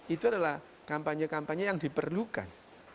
itu adalah kampanye kampanye yang diperlukan